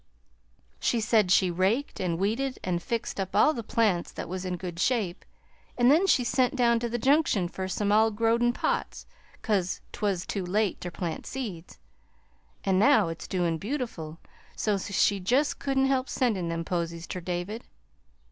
She said she raked an' weeded, an' fixed up all the plants there was, in good shape, an' then she sent down to the Junction fur some all growed in pots, 'cause 't was too late ter plant seeds. An, now it's doin' beautiful, so she jest could n't help sendin' them posies ter David.